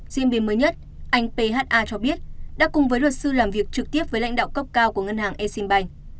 diễn biến mới nhất anh pha cho biết đã cùng với luật sư làm việc trực tiếp với lãnh đạo cốc cao của ngân hàng exim bank